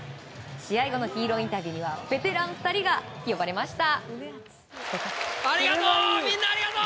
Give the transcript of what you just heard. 試合後のヒーローインタビューにはベテラン２人が呼ばれました。